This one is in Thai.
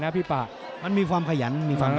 หรือว่าผู้สุดท้ายมีสิงคลอยวิทยาหมูสะพานใหม่